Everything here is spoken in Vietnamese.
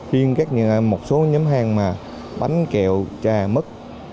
riêng một số nhóm hàng bánh kẹo trà mứt